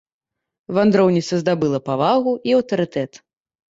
Вандроўніца здабыла павагу і аўтарытэт.